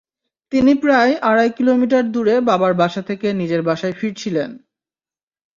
তিনি প্রায় আড়াই কিলোমিটার দূরে বাবার বাসা থেকে নিজের বাসায় ফিরছিলেন।